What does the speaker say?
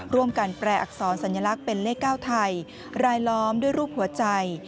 การแปลอักษรสัญลักษณ์เป็นเลข๙ไทยรายล้อมด้วยรูปหัวใจ